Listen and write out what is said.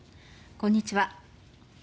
こんにちは。